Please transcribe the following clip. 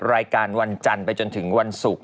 รายการวันจันทร์ไปจนถึงวันศุกร์